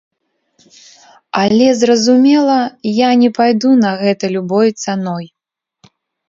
Але, зразумела, я не пайду на гэта любой цаной.